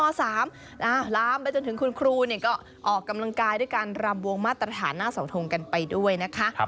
ลามไปจนถึงคุณครูก็ออกกำลังกายด้วยการรำวงมาตรฐานหน้าเสาทงกันไปด้วยนะคะ